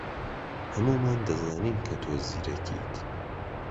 ھەموومان دەزانین کە تۆ زیرەکیت.